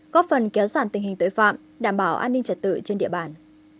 góp phần kéo giảm tình hình tội phạm đảm bảo an ninh trật tự trên địa bàn